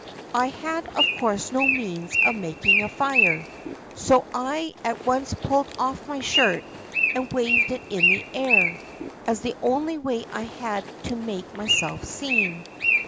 I had of course no means of making a fire, so I at once pulled off my shirt and waved it in the air, as the only way I had to make myself seen.